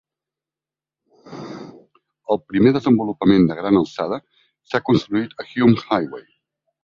El primer desenvolupament de gran alçada s'ha construït a Hume Highway.